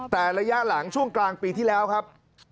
แต่ระยะหลังช่วงกลางปีที่แล้วครับ